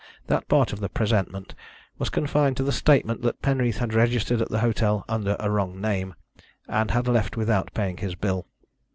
That part of the presentment was confined to the statement that Penreath had registered at the hotel under a wrong name, and had left without paying his bill.